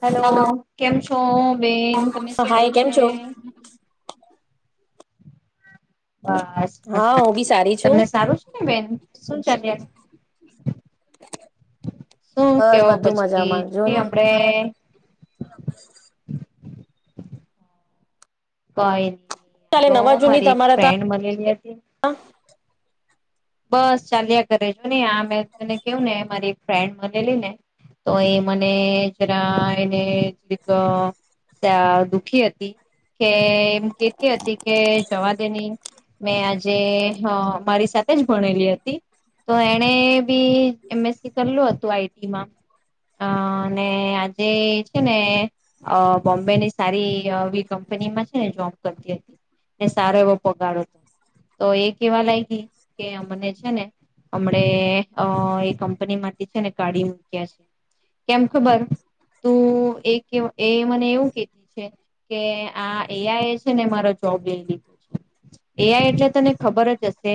Hello hello. કેમ છો બેન તમે હાય સારું કેમ છે? છો? બસ હા મજા હું બી સારી છું. તમને સારું છે ને બેન? શું ચાલ્યા શું બસ કેવો બધું પછી મજામાં જો ની ને. હમડે હમ ફાઇન ચાલે તો નવા જૂની મારી એક તમારા ફ્રેન્ડ મનેલી હતી તા બસ ચાલ્યા ઘરે જો ને આ મેં તને કેવું ને મારી ફ્રેન્ડ મનેલી ને તો એ મને જરા એને પ ક દુખી હતી કે એમ કેતી હતી કે જવા દેની મેં આજે મારી સાથે જ ભણેલી હતી તો એણે બી એમએસસી કરલું હતું આઈટીમાં અને આજે છે ને બોમ્બે ની સારી એ કંપનીમાં છે ને જોબ કરતી હતી સારો એવો પગાડો હતો તો એ કેવા લાગી કે અમને છે ને હમણે અ એ કંપની માંથી છે ને કાઢી મૂક્યા છે કેમ ખબર તું એ મને એવું કધી છે કે આ એઆઈ છે ને મારો જોબ લઈ લીધો છે એઆઈ એટલે તને ખબર જ હશે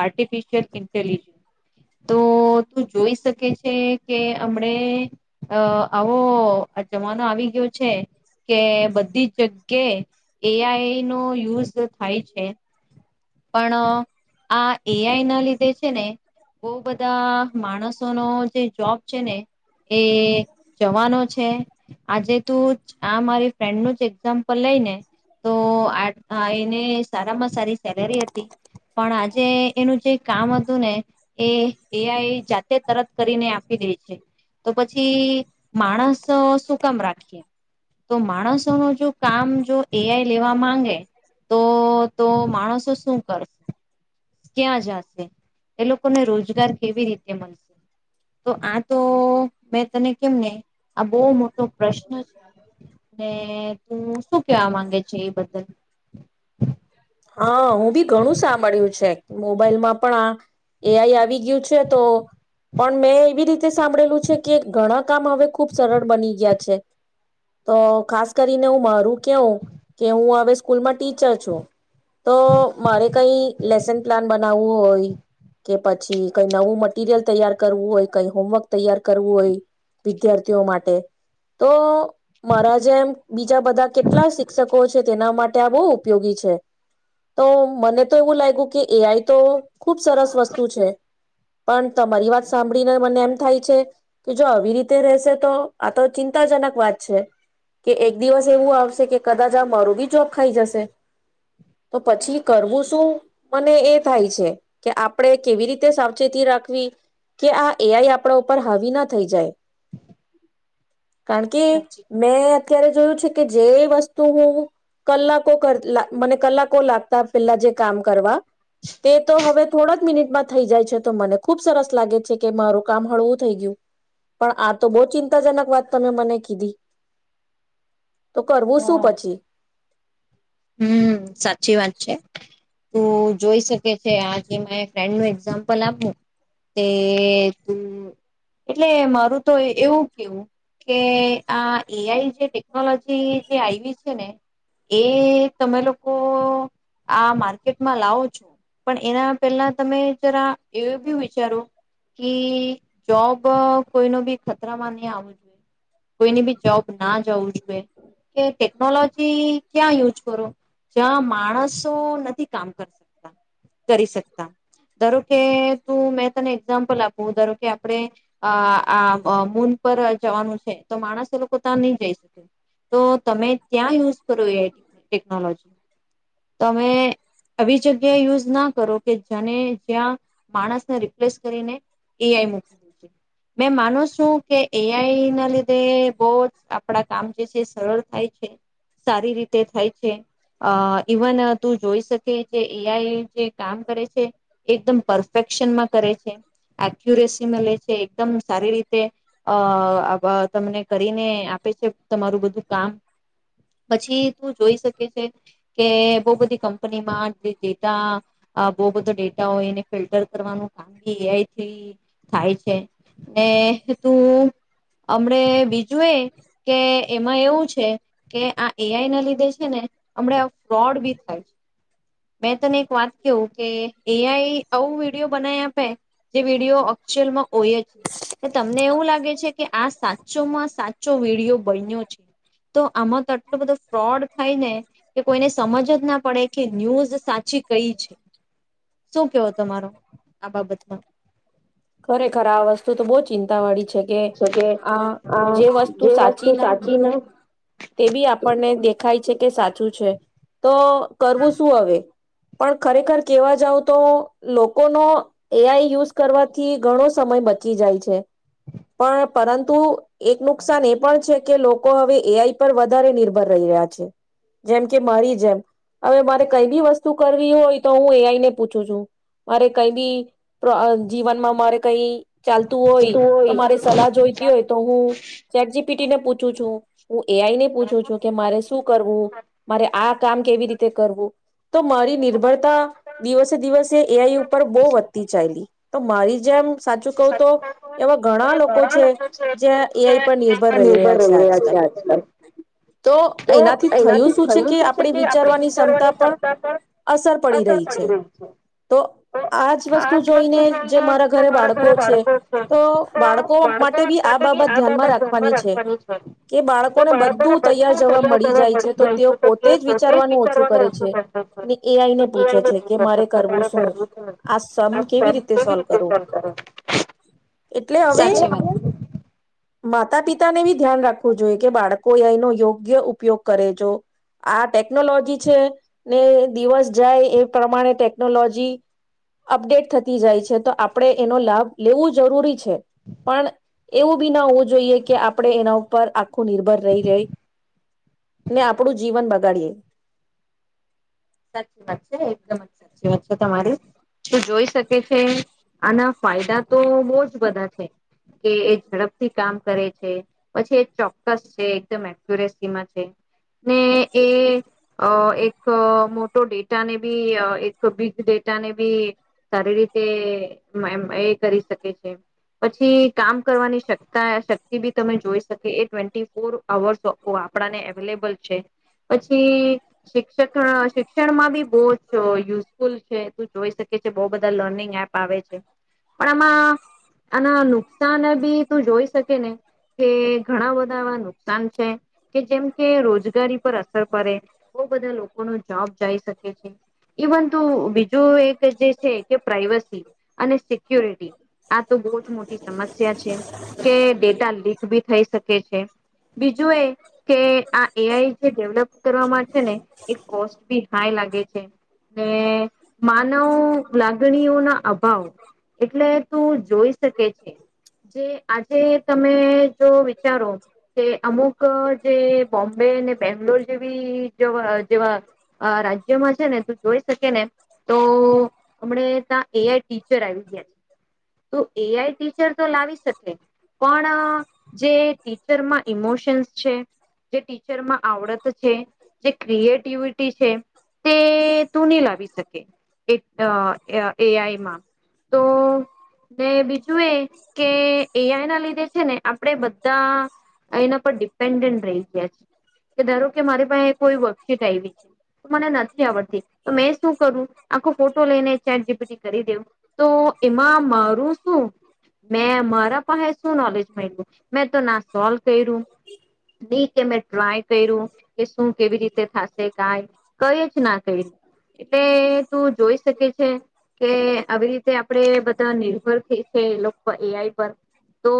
આર્ટિફિશિયલ ઇન્ટેલિજન્સ તો તું જોઈ શકે છે કે હમણે આવો જમાનો આવી ગયો છે કે બધી જગ્યાએ એઆઈ નો યુઝ થાય છે પણ આ એઆઈ ના લીધે છે ને બહ બધા માણસોનો જે જોબ છે ને એ જવાનો છે આજે તું આ મારી ફ્રેન્ડનું જ એક્ઝામ્પલ લઈ ને તો એને સારામાં સારી સેલેરી હતી પણ આજે એનું જે કામ હતું ને એ એઆઈ જાતે તરત કરીને આપી દે છે તો પછી માણસ શું કામ રાખીએ તો માણસોનું જો કામ જો એઆઈ લેવા માંગે તો તો માણસો શું કરશે ક્યાં જશે એ લોકોને રોજગાર કેવી રીતે મળશે તો આ તો મેં તને કેમને આ બહુ મોટો પ્રશ્ન તું શું કેવા માંગે છે એ બદલ હા હું બી ઘણું સાંભળ્યું છે મોબાઈલમાં પણ આ એઆઈ આવી ગયું છે તો પણ મેં એવી રીતે સાંભળેલું છે કે ઘણા કામ હવે ખુબ સરળ બની ગયા છે તો ખાસ કરીને હું મારું કેવું કે હું હવે સ્કૂલમાં ટીચર છું તો મારે કઈ લેસન પ્લાન બનાવવું હોય કે પછી કઈ નવું મટીિરિયલ તૈયાર કરવું હોય કઈ હોમવર્ક તૈયાર કરવું હોય વિદ્યાર્થીઓ માટે તો મારા જેમ બીજા બધા કેટલા શિક્ષકો છે તેના માટે ત્યાં બહુ ઉપયોગી છે તો મને તો એવું લાગ્યું કે એઆઈ તો ખુબ સરસ વસ્તુ છે પણ તમારી વાત સાંભળીને મને એમ થાય છે કે જો આવી રીતે રહેશે તો આ તો ચિં ચિંતાજનક વાત છે કે એક દિવસ એવું આવશે કે કદાચ આ મારું બી જોબ ખાઈ જશે તો પછી કરવું શું મને એ થાય છે કે આપણે કેવી રીતે સાવચેતી રાખવી કે આ એઆઈ આપણા ઉપર હાવી ના થઈ જાય કારણ કે સાચી મેં અ્યારે જોયું છે કે જે વસ્તુ હું કલા ક લ પેલા જે કામ કરવા હવે થો મિનિટ થઈ જાય છે તો મને ખુબ સરસ લાગે છે કે મારું કામ હળવું થઈ ગયું પણ આ તો બહુ ચિંતાજનક વાત તમે મને કીધી તો કરવું શું હા પછી હમ સાચી વાત છે તું જોઈ શકે છે આ જે ફ્રેન્ડ નું એક્ઝામ્પલ આપું તે તું એટલે મારું તો એવું કેવું કે આ એઆઈ જે ટેકનોલોજી જે આવી છે ને એ તમે લોકો આ માર્કેટમાં લાવો છો પણ એના પેલા તમે જરા એ બી વિચારો કે જોબ કોઈ ન બી ખતરામાં નહી આવવું જોઈએ કોઈની બી જોબ ના જવું જોઈએ કે ટેકનોલોજી ક્યાં યુઝ જ્યા માણસો નથી કામ કરીકતા કરી શકતા ધારો કે તું મેં તને એક્ઝામ્પલ આપું ધારો કે આપણેે આ મૂન પર જવાનું છે તો માણસો એ લોકો ત્યાં નહી જઈ શકે તો તમે ત્યાં યુઝ કરો એ ટેકનોલોજી તમે આવી જગ્યાએ યુઝ ના કરો કે જેને જ્યાં માણસને રિપ્લેસ કરીને એઆઈ મૂકી દું છે મે માનો છું કે એઆઈ ના લીધે બહ જ આપડા કામ જે છે સરળ થાય છે સારી રીતે થાય છે ઇવન તું જોઈ શકે જે એઆઈ જે કામ કરે છે એકદમ પરફેક્શનમાં કરે છે એક્યુરેસીમાં લે છે એકદમ સારી રીતે અ તમને કરીને આપે છે તમારું બધું કામ પછી તું જોઈ શકે છે કે બહુ બધી કંપનીમાં જે બહુ બધો ડેટાઓ એને ફિલ્ટર કરવાનું કામ બી એઆઈથી થાય છે ને તું હમને બીજું એ કે એમાં એવું છે કે આ એઆઈ ના લીધે છે ને હમ ફ્રોડ બી થાય છે મેં તને એક વાત કેું કે એઆઈ આવું વિડીિયો બનાવી આપે જે વિડીિયો અચઅલમાં હોય જ નહી તમને એવું લાગે છે કે આ સાચો માં સાચો વિડીિયો બન્યો છે તો આમાં તો આટલો બધો ફ્રોડ કે કોઈને સમજ જ ના પડે ન્યૂઝ સાચી કઈ છે શું કેવો તમારો આ બાબતમાં ખરેખર આ વસ્તુ તો બહુ ચિંતા વાળી છે કે આ જે વસ્તુ સાચી ના તે બી આપણને દેખાય છે કે સાચું છે તો કરવું શું હવે પણ ખરેખર કેવા જાવ તો લોકોનો એઆઈ યુઝ કરવાથી ઘણો સમય બચી જાય છે પણ પરંતુ એક નુકસાન એ પણ છે કે લોકો હવે એઆઈ પર વધારે નિર્ભર રહી રહ્યા છે જેમ કે મારી જેમ હવે મારે કઈ બી વસ્તુ શું કરવી હોય તો હું એઆઈને પૂછું છું મારે કઈ બી જીવનમાં મારે કઈ ચાલતું હોય તો મારી સલાહ જોઈતી હોય તો હું ચક પીટી ને પૂછું છું હું એઆઈ ને પૂછું છું કે મારે શું કરવું મારે આ કામ કેવી રીતે કરવું તો મારી નિર્ભરતા દિવસે દિવસે એઆઈ ઉપર બહુ વધતી ચાલલી તો મારી જમપ સાચું કહવ તો એવા ઘણા લોકો છે જે્યા એઆઈ પર નિર્ભર રહી રહ્યા છે આજકાલ તો એનાથી થયું શું છે કે આપણે વિચારવાની ક્ષમતા પણ અસર પડી રહી છે તો આજ વસ્તુ જોઈને જે મારા ઘરે બાળકો છે તો બાળકો માટે બી આ બાબત ધ્યાનમાં રાખવાની છે કે બાળકોને બધું તૈયાર જવા મળી જાય છે તો તેઓ પોતે જ વિચારવાનું ઓછું કરે છે ને એ આઈને પૂછે છે કે મારે કરવું શું આ સમ કેવી રીતે સોલ્વ કરવું એટલે હવે સાચી વાત માતા પિતા ને બી ધ્યાન રાખવું જોઈએ કે બાળકો એનો યોગ્ય ઉપયોગ કરે છેો આ ટેકનોલોજી છે ને દિવસ જાય એ પ્રમાણે ટેકનોલોજી અપડેટ થતી જાય છે તો આપણેે એનો લાભ લેવું જરૂરી છે પણ એવું બી ના હોવું જોઈએ કે આપણે એના ઉપર આખું નિર્ભર રહી જ ને આપણું જીવન બગાડીએ સાચી વાત છે એકદમ જ સાચી વાત છે તમારી તો જોઈ શકે છે આના ફાયદા તો બહુ જ બધા છે કે એ ઝડપથી કામ કરે છે પછી એ ચોક્કસ છે એકદમ એક્યુરેસીમાં છે ને એ એક મોટો ડેટાને બી એક બિગ ડેટાને બી સારી રીતે એ કરી શકે છે પછી કામ કરવાની શ શક્તિ બી તમે જોઈ શકે એ ટ્વેન્ટી ફોર અર્સ આપણાને અવેલેબલ છે પછી શિક્ષક શિક્ષણમાં બી બહુ યુઝફુલ છે તું જોઈ શકે છે બહુ બધા લર્નિંગ એપ આવે છે પણ આમાં આના નુકસાન બી તું જોઈ શકે ને કે ઘણા બધા એવા નુકસાન છે કે જેમ કે રોજગારી પર અસર પડે બહુ બધા લોકોનું જોબ જઈ શકે છે ઇવન તો બીજું એક જે છે કે પ્રાઈવસી અને સિક્યોરિટી આ તો બહુ જ મોટી સમસ્યા છે કે ડેટા લીક ી થઈ શકે છે બીજું એ કે આ એઆઈ જે ડેવલપ કરવાવામાં છે ને કોસ્ટ બી હાઈ લાગે છે ને માનવ લાગણીઓ ના અભાવ એટલે તું જોઈ શકે છે જે આજે તમે જો વિચારો કે અમુક જે બોમ્બે અને બેંગ્લોર જેવીવા જેવા રાજ્યમાં છે ને તું જોઈ શકે ને તો હમણે ત્યાં એઆઈ ટીચર આવી ગયા છે તો એઆઈ ટીચર તો લાવી શકે પણ જે ટીચરમાં ઈમોશન્સ છે જે ટીચરમાં આવડત છે જે ક્રિએટ િ છે તે તું ન લાવી શકે એઆઈમાં તો ને બીજું જુએ કે એઆઈ ના લીધે છે ને આપડે બધા એના પર ડિપેન્ડન્ટ રહી ગયા છીએ કે ધારો કે મારી પાસે કોઈ. છે તો મને નથી આવડતી તો મેં શું કરું આખો ફોટો લઈને ચેટ જેપીટી કરી દેવું તો એમાં મારું શું મે મારા પાસે શું નોલેજ મળ. મેં તો ના સોલ્વ કર્યું નહી કે મેં ટ્રાય કર્યું કે શું કેવી રીતે. ક કઈ જ ના ક એટલે તું જોઈ શકે છે કે આવી રીતે આપણેે બધા નિર્ભર થઈ છે એ એઆઈ પર તો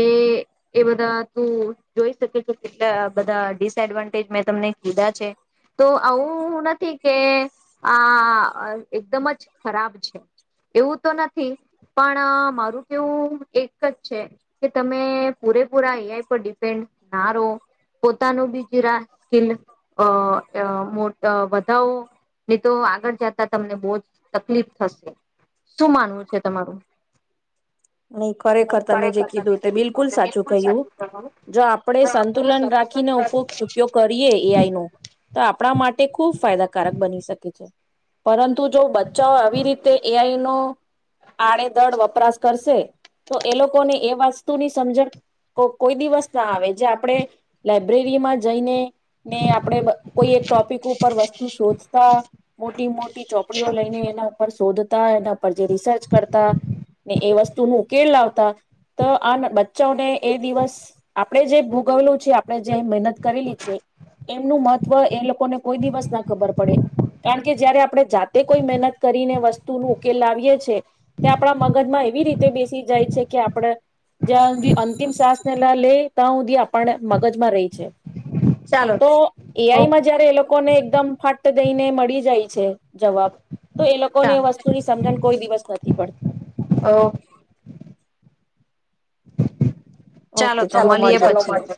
એ. કે એ બધા તું જોઈ શકે છે કેટલા બધા ડિસએડવાન્ટેજ મેં તમને. તો આવું નથી કે આ એકદમ જ ખરાબ છે એવું તો નથી પણ મારું કેવું એક જ છે કે તમે પૂરેપૂરા એઆઈ પર ડિપેન્ડ ના રહો પોતાનું બીજી સ્કીલ. અ મો વધાઓ ને તો આગળ જતા તમને બો જ તકલીફ થશે શું માનવું છે તમારું? નઇ ખરેખર તમે જે કીધું તે બિલકુલ સાચું કહ્યું જો આપડે સંતુલન રાખીને ઉપ ઉપયોગ કરીએ. એઆઈ નો તો આપણા માટે ખુબ ફાયદાકારક બની શકે છે. પરન શે તો એ લોકોને. એ વસ્તુની સમજણ કોઈ દિવસ ના આવે જે આપણે લાઈબ્રેરીમાં જઈને. ને આપડે કોઈ એક ટોપિક ઉપર વસ્તુ શોધતા મોટી મોટી ચોપડીઓ લઈને એના ઉપર શોધ શોધતા એના પર જે રિસર્ચ કરતા. ને એ વસ્તુ ન ઉકેલ લાવતા તો આ બચ્ચાને એ દિવસ આપણેે જે ભોગવેલુ છે આપણે જે મહેનત કરેલી છે એમનું મહત્વ એ લોકોને કોઈ દિવસ ના ખબર પડે કારણ કે જયારે આપણે જાતે કોઈ મહેનત કરીને વસ્તુ નો ઉકેલ લાવીએ છેએ તે આપણા મ મગજમાં એવી રીતે બેસી જાય છે કે આપડે જ્યાં સુધી અંતિમ સાસને લે ત્યાં સુધી આપને મગજમાં રહી છે. ચાલો તો તો એઆઈમાં જયારે એ લોકોને એકદમ ફાટ દઈને ને મળી જાય છે. જવાબ તો એ લોકોને એ ચાલો વસ્તુની સમજણ કોઈ દિવસ નથી પડતી. ઓ ચાલો ઓકે તો મળીએે મળીએ પછી.